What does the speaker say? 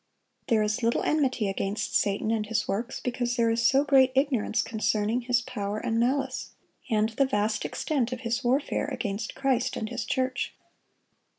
There is little enmity against Satan and his works, because there is so great ignorance concerning his power and malice, and the vast extent of his warfare against Christ and His church.